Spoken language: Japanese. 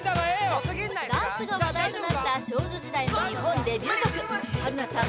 ダンスが話題となった少女時代の日本デビュー曲春菜さん